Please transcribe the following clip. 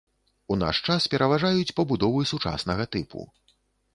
У наш час пераважаюць пабудовы сучаснага тыпу.